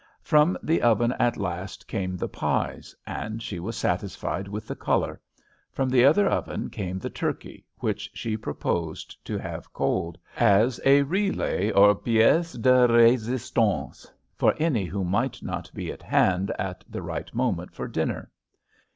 From the oven at last came the pies, and she was satisfied with the color; from the other oven came the turkey, which she proposed to have cold, as a relay, or pièce de résistance, for any who might not be at hand at the right moment for dinner.